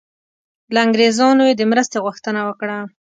له انګریزانو یې د مرستې غوښتنه وکړه.